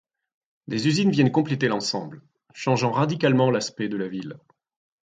Des usines viennent compléter l'ensemble, changeant radicalement l'aspect de la ville.